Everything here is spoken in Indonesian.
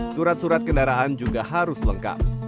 surat surat kendaraan juga harus lengkap